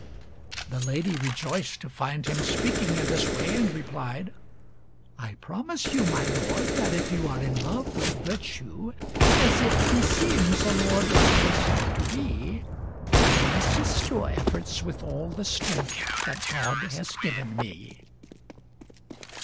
The lady rejoiced to find him speaking in this way, and replied "I promise you, my lord, that if you are in love with virtue as it beseems a lord like yourself to be, I will assist your efforts with all the strength that God has given me."